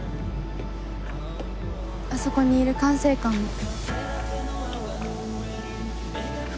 あそこにいる管制官も。